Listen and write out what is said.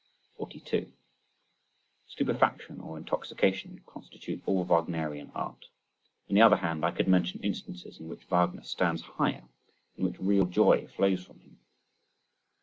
42. Stupefaction or intoxication constitute all Wagnerian art. On the other hand I could mention instances in which Wagner stands higher, in which real joy flows from him.